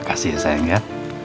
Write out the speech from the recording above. makasih ya sayang ya